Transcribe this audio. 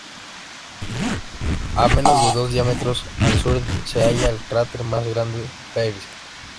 A menos de dos diámetros al sur se halla el cráter más grande Peirce.